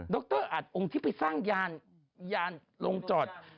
รอัดองค์ที่ไปสร้างยานลงจอด